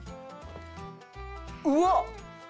うわっ！